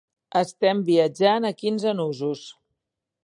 Estem viatjant a quinze nusos.